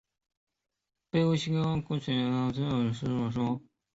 北坞村成为清漪园西部耕织图景区的外延。